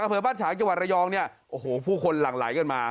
อำเภอบ้านฉางจังหวัดระยองเนี่ยโอ้โหผู้คนหลั่งไหลกันมา